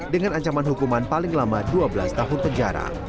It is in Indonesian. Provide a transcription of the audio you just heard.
dengan ancaman hukuman paling lama dua belas tahun penjara